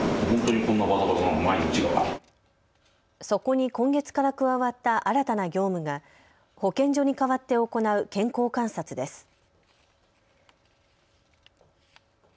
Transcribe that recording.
そこに今月から加わった新たな業務が保健所に代わって行う健康観察です。